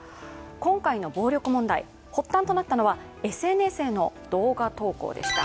今回の暴力問題、発端となったのはＳＮＳへの動画投稿でした。